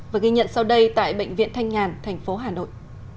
và ghi nhận sau đây tại bệnh viện thanh nhàn thành phố hà nội